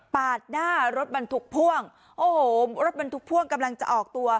ปาดหน้ารถมันถุกพ่วงโอ้โหรถมันถุกพ่วงกำลังจะออกตัว